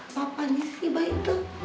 papanya sih baik tuh